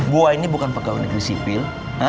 gua ini bukan pegawai negeri sipil